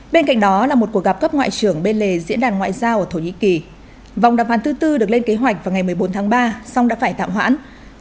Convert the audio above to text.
bên cạnh đó là một cuộc gặp cấp ngoại trưởng bên lề diễn đàn ngoại giao ở thổ nhĩ kỳ vòng đàm phán thứ tư được lên kế hoạch vào ngày một mươi bốn tháng ba song đã phải tạm hoãn